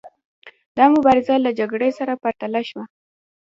دا مبارزه له جګړې سره پرتله شوه.